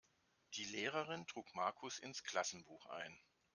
Die Lehrerin trug Markus ins Klassenbuch ein.